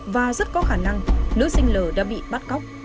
và rất có khả năng nữ sinh lờ đã bị bắt cóc